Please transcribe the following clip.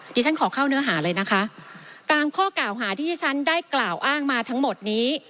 ดิฉันขอเข้าเนื้อหาเลยนะคะตามข้อกล่าวหาที่ที่ฉันได้กล่าวอ้างมาทั้งหมดนี้